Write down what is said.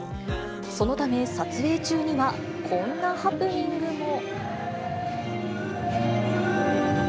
そのため、撮影中にはこんなハプニングも。